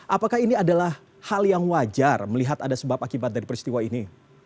apakah ini adalah hal yang wajar melihat ada sebab akibat dari peristiwa ini